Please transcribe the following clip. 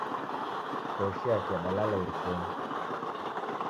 Koshi yake yadalala irikonyi.